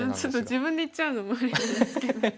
自分で言っちゃうのもあれなんですけど。